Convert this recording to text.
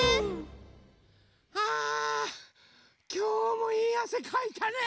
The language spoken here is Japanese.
あきょうもいいあせかいたね。